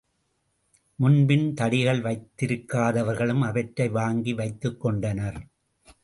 முன்பின் தடிகள் வைத்திருக்காதவர்களும் அவற்றை வாங்கி வைத்துக்கொண்டனர்.